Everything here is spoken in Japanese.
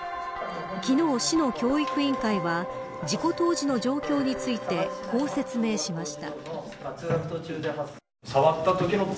昨日、市の教育委員会は事故当時の状況についてこう説明しました。